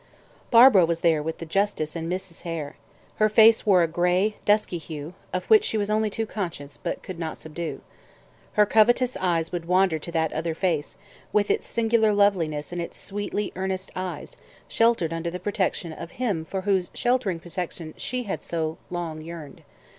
Barbara was there with the Justice and Mrs. Hare. Her face wore a gray, dusky hue, of which she was only too conscious, but could not subdue. Her covetous eyes would wander to that other face, with its singular loveliness and its sweetly earnest eyes, sheltered under the protection of him for whose sheltering protection she had so long yearned.